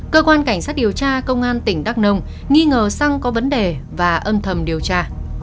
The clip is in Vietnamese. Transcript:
cơ quan cảnh sát điều tra công an tỉnh đắk nông nghi ngờ xăng có vấn đề và âm thầm điều tra